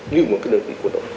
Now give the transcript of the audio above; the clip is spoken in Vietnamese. như một cái đơn vị quân đội